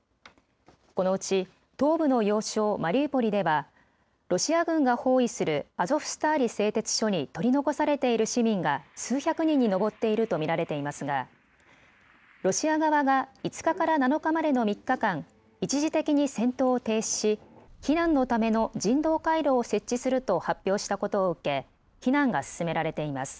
このうち東部の要衝マリウポリではロシア軍が包囲するアゾフスターリ製鉄所に取り残されている市民が数百人に上っていると見られていますがロシア側は５日から７日までの３日間、一時的に戦闘を停止し避難のための人道回廊を設置すると発表したことを受け避難が進められています。